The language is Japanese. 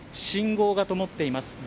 信号が灯っています